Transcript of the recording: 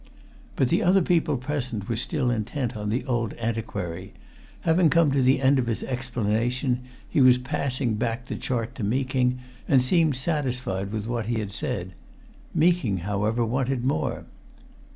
But the other people present were still intent on the old antiquary. Having come to the end of his explanation he was passing back the chart to Meeking, and seemed satisfied with what he had said. Meeking, however, wanted more.